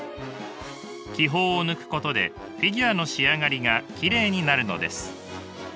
気泡を抜くことでフィギュアの仕上がりがきれいになるのです。